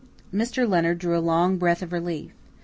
Mr. Leonard drew a long breath of relief.